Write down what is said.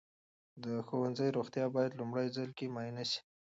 د ښوونځي روغتیا باید لومړي ځل کې معاینه سي.